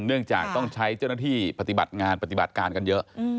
เนื่องจากต้องใช้เจ้าหน้าที่ปฏิบัติงานปฏิบัติการกันเยอะ